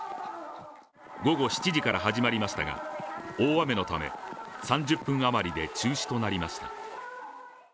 午後７時から始まりましたが、大雨のため３０分余りで中止となりました。